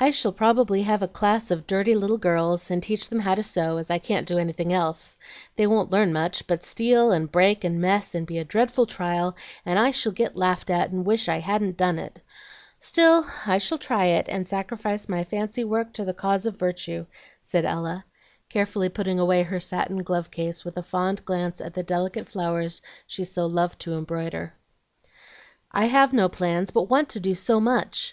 "I shall probably have a class of dirty little girls, and teach them how to sew, as I can't do anything else. They won't learn much, but steal, and break, and mess, and be a dreadful trial, and I shall get laughed at and wish I hadn't done it. Still I shall try it, and sacrifice my fancy work to the cause of virtue," said Ella, carefully putting away her satin glove case with a fond glance at the delicate flowers she so loved to embroider. "I have no plans, but want to do so much!